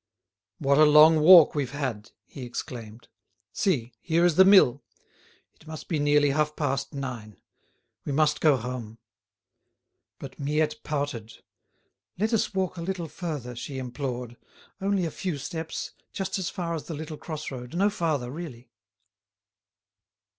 "What a long walk we've had!" he exclaimed. "See—here is the mill. It must be nearly half past nine. We must go home." But Miette pouted. "Let us walk a little further," she implored; "only a few steps, just as far as the little cross road, no farther, really."